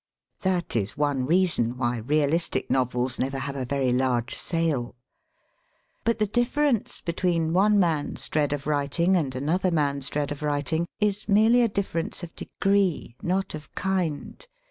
(That is one reason why 39 40 SELF AND SELF MANAGEMENT realistic novels never have a very large sale,) But the difFerence between one man's dread of writing and another man's dread of writing is merely a difference of degree, not of kind.